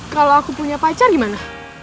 kalau aku punya pacar gimana